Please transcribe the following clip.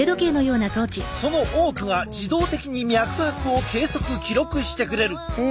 その多くが自動的に脈拍を計測・記録してくれる。